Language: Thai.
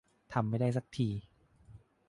ทำไม่ได้สักที